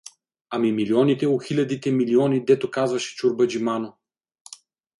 Ами милионите у хилядите милиони дето казваше чорбаджи Мано?